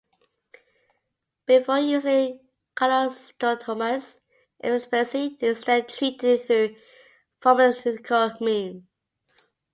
Before using callosotomies, epilepsy is instead treated through pharmaceutical means.